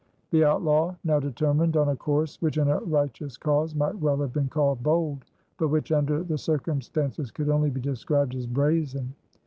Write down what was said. The outlaw now determined on a course which in a righteous cause might well have been called bold but which under the circumstances could only be described as brazen.